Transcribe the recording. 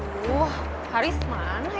aduh haris mana ya